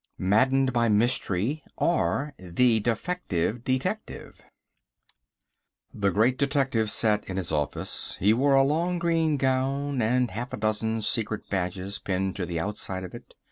Maddened by Mystery: or, The Defective Detective The great detective sat in his office. He wore a long green gown and half a dozen secret badges pinned to the outside of it.